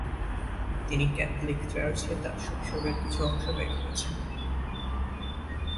তিনি ক্যাথলিক চার্চে তার শৈশবের কিছু অংশ ব্যয় করেছেন।